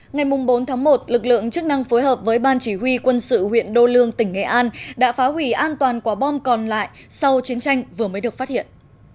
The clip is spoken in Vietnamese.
ngày bốn một lực lượng chức năng phối hợp với ban chỉ huy quân sự huyện đô lương tỉnh nghệ an đã phá hủy an toàn quả bom còn lại sau chiến tranh vừa mới được phát hiện